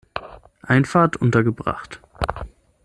Einfahrt untergebracht.